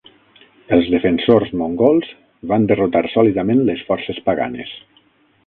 Els defensors mongols van derrotar sòlidament les forces paganes.